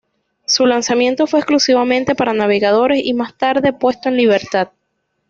Su lanzamiento fue exclusivamente para navegadores y más tarde puesto en libertad.